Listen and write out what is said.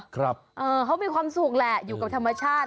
สมบูรณ์เนาะครับเออเขามีความสุขแหละอยู่กับธรรมชาติ